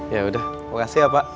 yaudah makasih ya pak